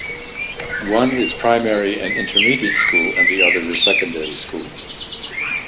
One is Primary and Intermediate school and the other is Secondary School.